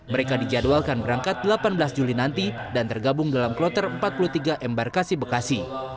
mereka dijadwalkan berangkat delapan belas juli nanti dan tergabung dalam kloter empat puluh tiga embarkasi bekasi